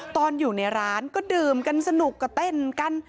ตอนอยู่ในร้านก็ดื่มกันสนุกก็เต้นกัน